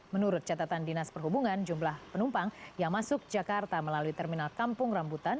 menurut catatan dinas perhubungan jumlah penumpang yang masuk jakarta melalui terminal kampung rambutan